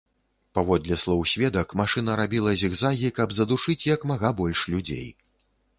Паводле слоў сведак, машына рабіла зігзагі, каб задушыць як мага больш людзей.